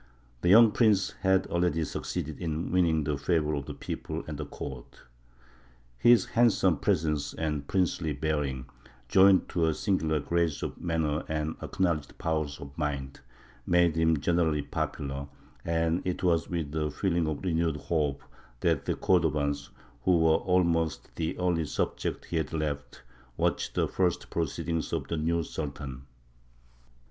The young prince had already succeeded in winning the favour of the people and the court. His handsome presence and princely bearing, joined to a singular grace of manner and acknowledged powers of mind, made him generally popular, and it was with a feeling of renewed hope that the Cordovans, who were almost the only subjects he had left, watched the first proceedings of the new Sultan.